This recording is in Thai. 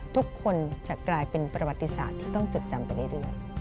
ทุกคนจะกลายเป็นประวัติศาสตร์ที่ต้องจดจำไปเรื่อย